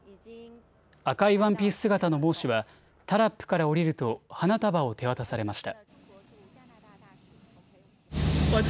赤いワンピース姿の孟氏はタラップからおりると花束を手渡されました。